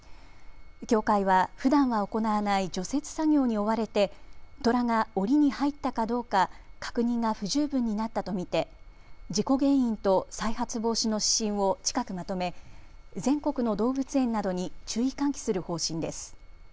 協会は、ふだんは行わない除雪作業に追われてトラがおりに入ったかどうか確認が不十分になったと見て事故原因と再発防止の指針を近くまとめ、全国の動物園などに注意喚起する方針です。